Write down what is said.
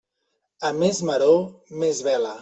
A més maror, més vela.